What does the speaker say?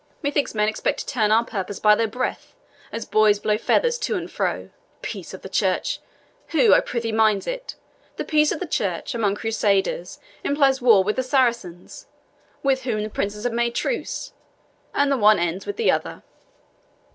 "Methinks men expect to turn our purpose by their breath, as boys blow feathers to and fro. Peace of the church! Who, I prithee, minds it? The peace of the church, among Crusaders, implies war with the Saracens, with whom the princes have made truce; and the one ends with the other.